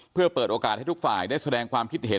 เพื่อเปิดโอกาสให้ทุกฝ่ายได้แสดงความคิดเห็น